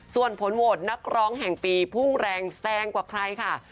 ส่วนผลโหวตนักร้องแห่งปีพุ่งแรงแซงกว่าใครค่ะ